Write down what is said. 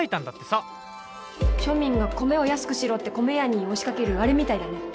庶民が米を安くしろって米屋に押しかけるあれみたいだね。